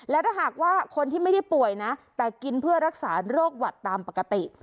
และถ้าหากว่าคนที่ไม่ได้ป่วยนะแต่กินเพื่อรักษาโรคหวัดตามปกติ